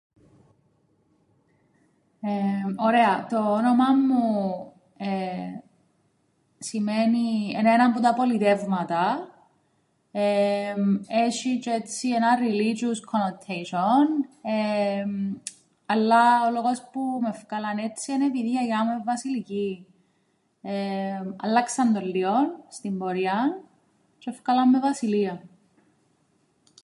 Ωραία, το όνομα μου εεε σημαίνει, εν' έναν που τα πολιτεύματα. Έσ̆ει τζ̆αι έτσι έναν religious connotation. Αλλά ο λόγος που με εφκ΄αλαν έτσι εν' επειδή η γιαγιά μου εν' Βασιλική. Αλλάξαν το λλίον στην πορείαν, τζ̆αι εφκάλαν με Βασιλείαν.